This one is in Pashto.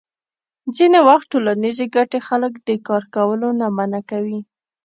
ځینې وخت ټولنیزې ګټې خلک د کار کولو نه منع کوي.